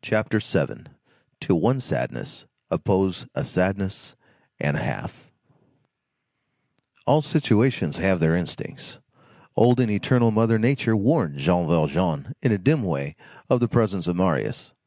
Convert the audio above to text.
CHAPTER VII—TO ONE SADNESS OPPOSE A SADNESS AND A HALF All situations have their instincts. Old and eternal Mother Nature warned Jean Valjean in a dim way of the presence of Marius.